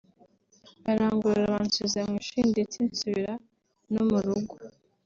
barangorora bansubiza mu ishuri ndetse nsubira no mu rugo